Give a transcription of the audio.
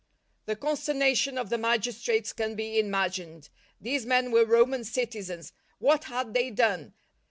The consternation of the magistrates can be imagined ! These men were Roman citi zens ! What had they done